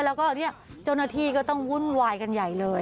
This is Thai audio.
แล้วก็เจริญาณณีก็ต้องวุ่นวายกันใหญ่เลย